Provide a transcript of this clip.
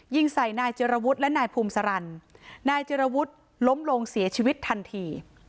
ยิงใส่นายเจรวุฒิและนายภูมิสารันนายเจรวุฒิล้มลงเสียชีวิตทันที